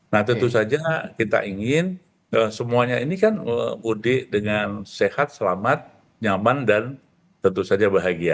nah tentu saja kita ingin semuanya ini kan mudik dengan sehat selamat nyaman dan tentu saja bahagia